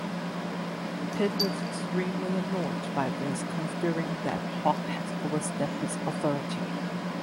Pitt was extremely annoyed by this, considering that Hawke had overstepped his authority.